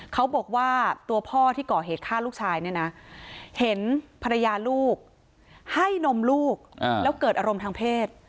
เขาบอกว่าตัวพ่อที่ก่อเหตุฆ่าลูกชายเนี่ยนะเห็นภรรยาลูกให้นมลูกแล้วเกิดอารมณ์ทางเพศ